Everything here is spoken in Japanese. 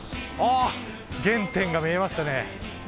あっ原点が見えましたね。